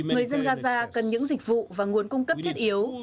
người dân gaza cần những dịch vụ và nguồn cung cấp thiết yếu